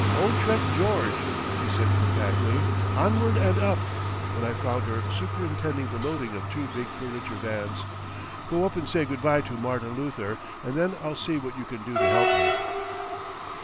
"Old Trek, George," she said compactly, "Onward and Up," when I found her superintending the loading of two big furniture vans. "Go up and say good bye to 'Martin Luther,' and then I'll see what you can do to help me."